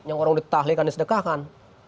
yang orang ditahliahkan disedekahkan